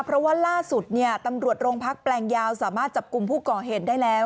เพราะว่าล่าสุดเนี่ยตำรวจโรงพักแปลงยาวสามารถจับกลุ่มผู้ก่อเหตุได้แล้ว